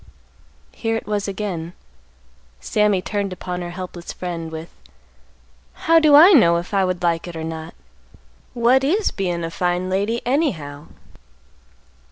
Here it was again. Sammy turned upon her helpless friend, with, "How do I know if I would like it or not? What is bein' a fine lady, anyhow?"